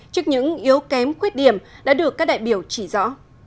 trước những yếu kém khuyết điểm đã được các đại biểu chỉ rõ